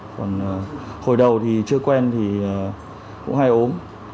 còn hồi đầu thì chưa quen thì cũng hay ốm